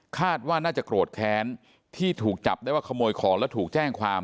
คาดว่าน่าจะโกรธแค้นที่ถูกจับได้ว่าขโมยของแล้วถูกแจ้งความ